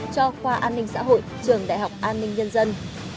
cho khoa an ninh xã hội trường đại học an ninh nhân dân